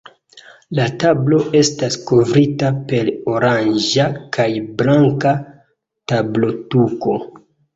La tablo estas kovrita per oranĝa kaj blanka tablotuko.